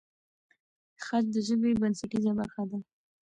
خج د ژبې بنسټیزه برخه ده.